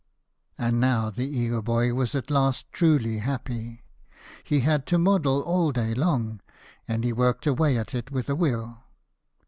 And now the eager boy was at last " truly happy." He had to model all day long, and he worked away at it with a will.